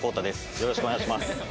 よろしくお願いします。